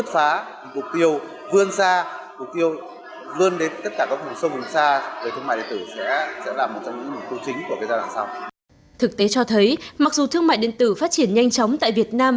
thực tế cho thấy mặc dù thương mại điện tử phát triển nhanh chóng tại việt nam